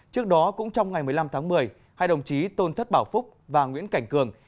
trước đó cũng trong ngày một mươi năm tháng một mươi hai đồng chí tôn thất bảo phúc và nguyễn cảnh cường